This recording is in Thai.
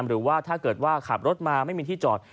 หรือว่าถ้าเกิดว่าขับรถมาไม่มีที่จอด